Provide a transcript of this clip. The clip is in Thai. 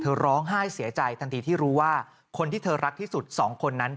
ร้องไห้เสียใจทันทีที่รู้ว่าคนที่เธอรักที่สุด๒คนนั้น